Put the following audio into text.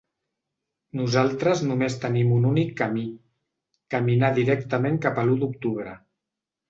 Nosaltres només tenim un únic camí: caminar directament cap a l’u d’octubre.